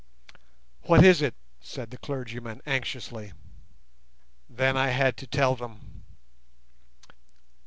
"What is it?" said the clergyman, anxiously. Then I had to tell them.